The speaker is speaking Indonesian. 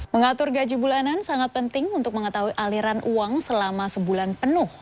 mengatur gaji bulanan sangat penting untuk mengetahui aliran uang selama sebulan penuh